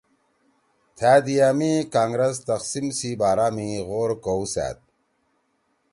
تھأ دِیا می کانگرس تقسیم سی بارا می غور کؤسأد